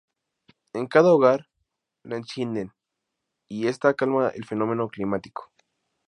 En cada hogar la encienden y esta calma el fenómeno climático.